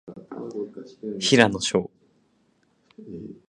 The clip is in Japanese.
平野紫耀